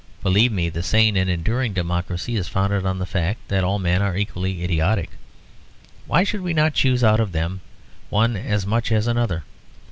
Believe me, the sane and enduring democracy is founded on the fact that all men are equally idiotic. Why should we not choose out of them one as much as another.